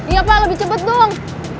iya pak lebih cepat dong